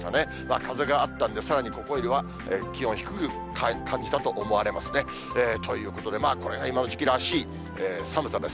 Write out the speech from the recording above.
風があったんで、さらにここよりは気温低く感じたと思われますね。ということで、まあ、これが今の時期らしい寒さです。